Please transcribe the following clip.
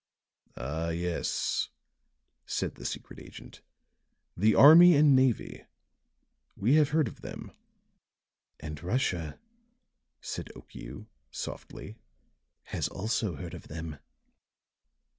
"Ah, yes," said the secret agent; "the army and navy. We have heard of them." "And Russia," said Okiu, softly, "has also heard of them."